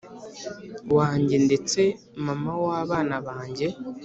wajye ndetse mama wabana bajye”